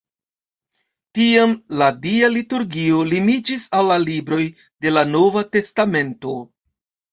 Tiam la Dia liturgio limiĝis al la libroj de la Nova Testamento.